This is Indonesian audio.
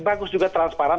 bagus juga transparan